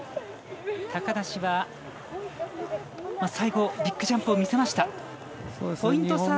高梨は最後ビッグジャンプを見せました。